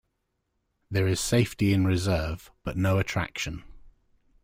There is safety in reserve, but no attraction.